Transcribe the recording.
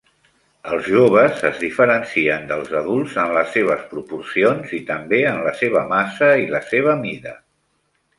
Els joves es diferencien dels adults en les seves proporcions i també en la seva massa i la seva mida.